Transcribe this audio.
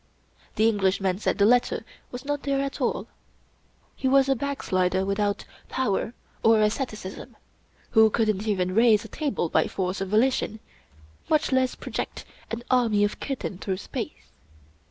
The Englishman, said the letter, was not there at all. He was a backslider without power or asceticism, who couldn't even raise a table by force of volition, much less project an army of kittens through space.